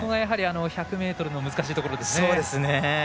１００ｍの難しいところですね。